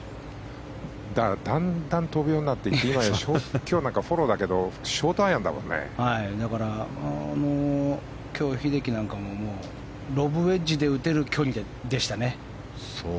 だんだん飛ぶようになって今日なんかフォローだけどだから今日、英樹なんかもロブウェッジで打てる距離でしたね。